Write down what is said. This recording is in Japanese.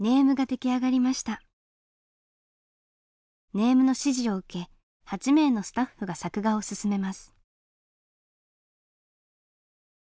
ネームの指示を受け８名のスタッフが作画を進めます。